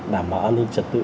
đảm bảo an ninh trật tự